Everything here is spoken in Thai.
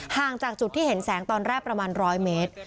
ห่างจากจุดที่เห็นแสงตอนแรกประมาณ๑๐๐เมตร